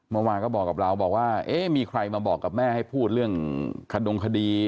เราบอกว่ามีใครมาบอกกับแม่ให้พูดเรื่องขนมคดี